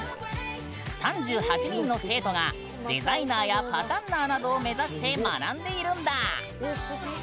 ３８人の生徒がデザイナーや、パタンナーなどを目指して学んでいるんだ。